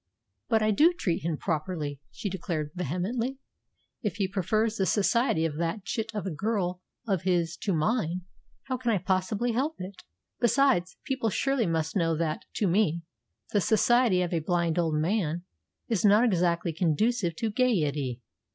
"But I do treat him properly!" she declared vehemently. "If he prefers the society of that chit of a girl of his to mine, how can I possibly help it? Besides, people surely must know that, to me, the society of a blind old man is not exactly conducive to gaiety.